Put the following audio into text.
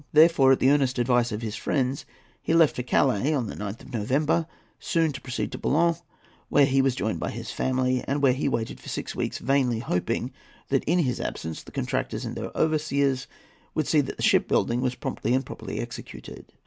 Therefore, at the earnest advice of his friends, he left London for Calais on the 9th of November, soon to proceed to Boulogne, where he was joined by his family, and where he waited for six weeks, vainly hoping that in his absence the contractors and their overseers would see that the ship building was promptly and properly executed.